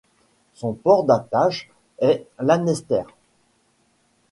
Son port d'attache est Lanester.